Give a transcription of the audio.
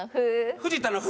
藤田の「ふ」。